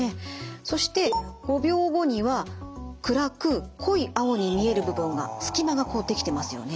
そして５秒後には暗く濃い青に見える部分が隙間が出来てますよね。